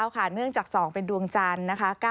๙๒๒๙ค่ะเนื่องจาก๒เป็นดวงจันทร์นะคะ